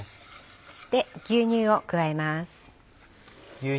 そして牛乳を加えます。